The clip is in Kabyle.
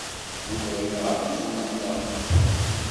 Yuba yenɣa-t uzenneqnaq.